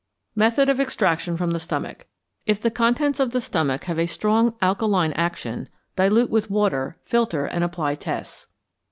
Method of Extraction from the Stomach. If the contents of the stomach have a strong alkaline action, dilute with water, filter, and apply tests.